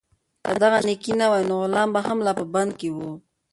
که دغه نېکي نه وای، نو غلام به لا هم په بند کې و.